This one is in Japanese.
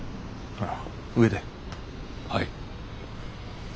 はい。